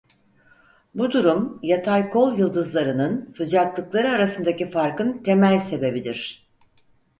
Bu durum yatay kol yıldızlarının sıcaklıkları arasındaki farkın temel sebebidir.